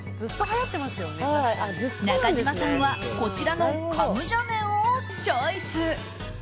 中島さんはこちらのカムジャ麺をチョイス。